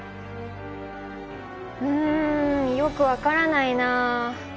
うんよく分からないなあ。